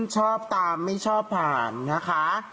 ชอบตามไม่ชอบผ่านนะคะ